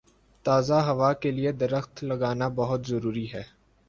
تازہ ہوا کے لیے درخت لگانا بہت ضروری ہے۔